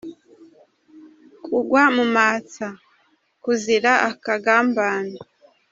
Kugwa mu matsa = kuzira akagambane.